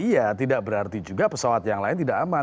iya tidak berarti juga pesawat yang lain tidak aman